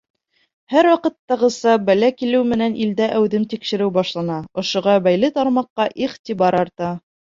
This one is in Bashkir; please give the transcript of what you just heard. Һәр ваҡыттағыса, бәлә килеү менән илдә әүҙем тикшереү башлана, ошоға бәйле тармаҡҡа иғтибар арта.